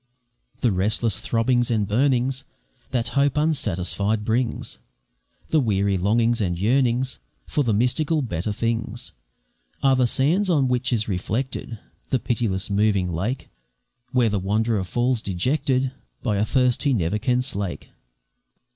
The restless throbbings and burnings That hope unsatisfied brings, The weary longings and yearnings For the mystical better things, Are the sands on which is reflected The pitiless moving lake, Where the wanderer falls dejected, By a thirst he never can slake.